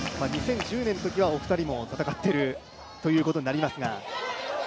２０１０年のときはお二人も戦ってるということになりますが。